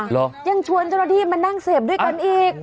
ยังชวนเจ้าหน้าที่มานั่งเสพด้วยกันอีก